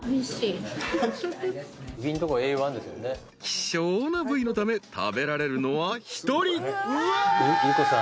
［希少な部位のため食べられるのは一人］ゆう子さん。